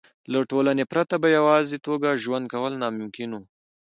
له ټولنې پرته په یوازې توګه ژوند کول ناممکن وو.